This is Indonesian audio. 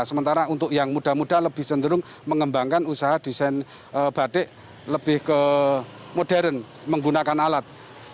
sementara untuk yang muda muda lebih cenderung mengembangkan usaha desain batik lebih ke modern menggunakan alat